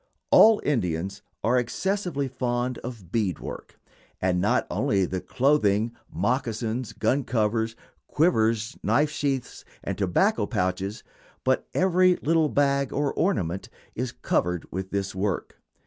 All Indians are excessively fond of bead work, and not only the clothing, moccasins, gun covers, quivers, knife sheaths, and tobacco pouches, but every little bag or ornament, is covered with this work.